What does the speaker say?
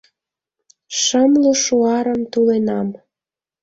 Шымлу шуарым туленам